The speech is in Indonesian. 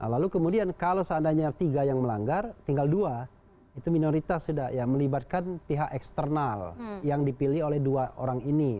lalu kemudian kalau seandainya tiga yang melanggar tinggal dua itu minoritas sudah ya melibatkan pihak eksternal yang dipilih oleh dua orang ini